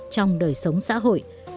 trong đời sống xã hội